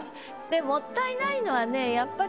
でもったいないのはね